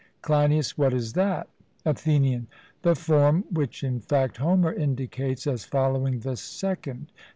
CLEINIAS: What is that? ATHENIAN: The form which in fact Homer indicates as following the second.